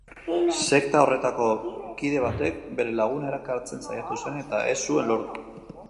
Sekta horretako kide batek bere laguna erakartzen saiatu zen eta ez zuen lortu.